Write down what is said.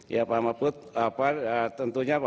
ya pak mahfud apa tentunya